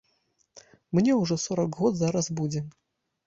Мне ўжо сорак год зараз будзе.